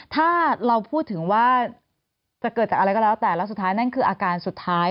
ถ้าเราพูดถึงว่าจะเกิดจากอะไรก็แล้วแต่แล้วสุดท้ายนั่นคืออาการสุดท้าย